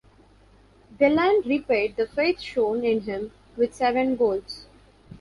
Whelan repaid the faith shown in him with seven goals.